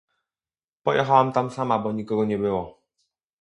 Pojechałam tam sama bo nikogo nie było.